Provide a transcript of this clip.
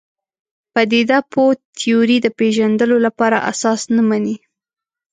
پدیده پوه تیورۍ د پېژندلو لپاره اساس نه مني.